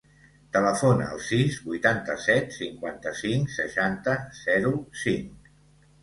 Telefona al sis, vuitanta-set, cinquanta-cinc, seixanta, zero, cinc.